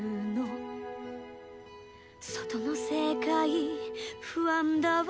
「外の世界不安だわ」